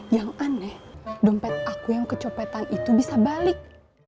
yang aneh dompet aku yang kecopetan itu bisa balik